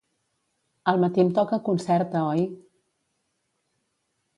Al matí em toca Concerta, oi?